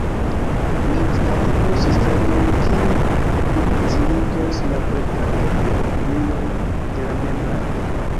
Ni starigu sistemon kiu plifaciligos la kolektadon de opinioj de la membraro.